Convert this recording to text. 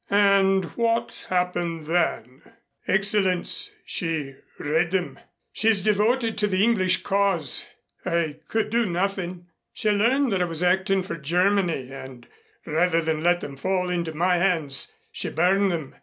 "And what happened then?" "Excellenz, she read them. She is devoted to the English cause. I could do nothing. She learned that I was acting for Germany and, rather than let them fall into my hands, she burned them.